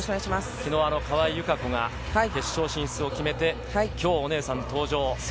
昨日、川井友香子が決勝進出を決めて今日、お姉さん登場。